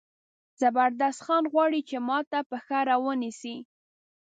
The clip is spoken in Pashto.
زبردست خان غواړي چې ما ته پښه را ونیسي.